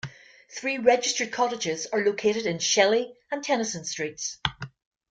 Three registered cottages are located in Shelley and Tennyson Streets.